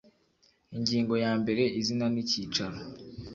Ingingo ya mbere izina n icyicaro